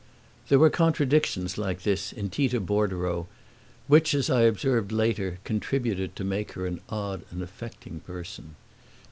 There were contradictions like this in Tita Bordereau which, as I observed later, contributed to make her an odd and affecting person.